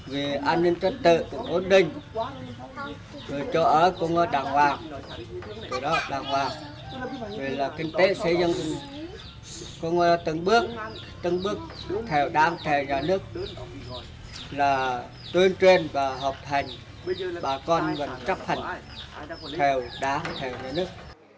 vì an ninh trật tự ổn định chỗ ở cũng đàng hoàng kinh tế xây dựng từng bước theo đám theo nhà nước tuyên truyền và học hành bà con vẫn chấp hành theo đám theo nhà nước